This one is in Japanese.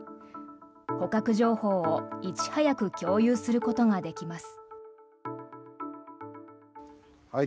捕獲情報をいち早く共有することができます。